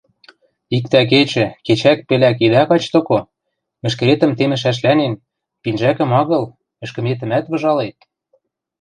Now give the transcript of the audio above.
Иктӓ кечӹ, кечӓк-пелӓк идӓ кач доко, мӹшкӹретӹм темӹшӓшлӓнен, пинжӓкӹм агыл, ӹшкӹметӹмӓт выжалет.